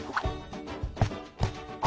あ。